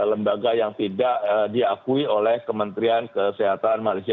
lembaga yang tidak diakui oleh kementerian kesehatan malaysia